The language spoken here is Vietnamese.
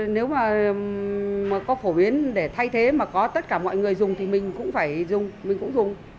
nếu mà có phổ biến để thay thế mà có tất cả mọi người dùng thì mình cũng phải dùng